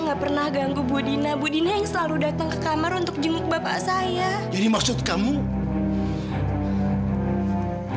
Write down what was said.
bapaknya aida ini adalah roh yang paling sayang